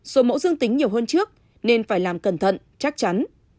số mẫu dương tính nhiều hơn trước nên phải làm cẩn thận chắc chắn